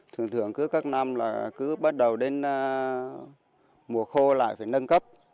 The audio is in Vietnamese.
thường thường cứ các năm là cứ bắt đầu đến mùa khô lại phải nâng cấp